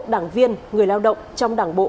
đảng viên người lao động trong đảng bộ